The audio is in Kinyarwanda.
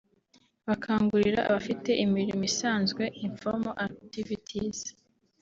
bakangurira abafite imirimo isanzwe (informal activities)